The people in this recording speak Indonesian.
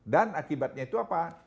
dan akibatnya itu apa